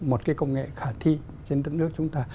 một cái công nghệ khả thi trên đất nước chúng ta